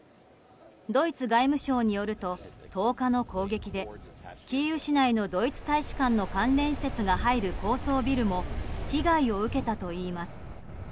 ドイツ外務省によると１０日の攻撃でキーウ市内のドイツ大使館の関連施設が入る高層ビルも被害を受けたといいます。